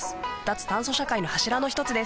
「脱炭素社会の柱の一つです」